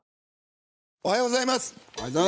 おはようございます。